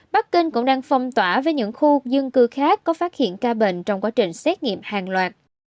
bắc kinh cũng đang phong tỏa với những khu dân cư khác có phát hiện ca bệnh trong quá trình xét nghiệm hàng loạt